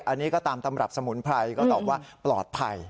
อันนี้ก็ตามตำรับสมุนไพรก็ตอบว่าปลอดภัย